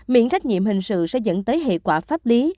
miễn trách nhiệm hình sự sẽ dẫn tới hệ quả pháp lý